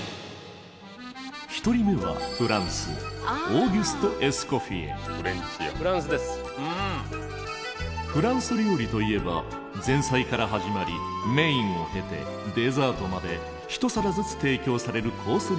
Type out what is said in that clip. １人目はフランスフランス料理といえば前菜から始まりメインを経てデザートまで一皿ずつ提供されるコース